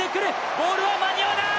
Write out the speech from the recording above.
ボームは間に合わない。